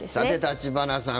橘さん